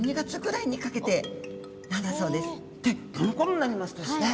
でこのころになりますとですね